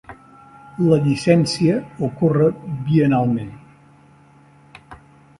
La llicència ocorre biennalment.